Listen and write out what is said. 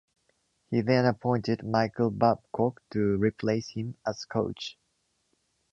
He then appointed Michael Babcock to replace him as coach.